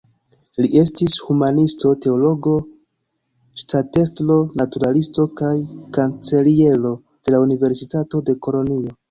Li estis humanisto, teologo, ŝtatestro, naturalisto kaj kanceliero de la Universitato de Kolonjo.